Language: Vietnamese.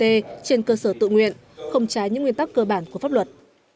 bot trên cơ sở tự nguyện không trái những nguyên tắc cơ bản của pháp luật